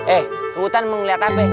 eh ke hutan mau ngeliat apa ya